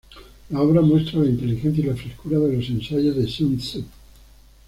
La obra muestra la inteligencia y la frescura de los ensayos de Sun Tzu.